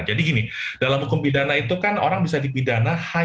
jadi gini dalam hukum pidana itu kan orang bisa dipidana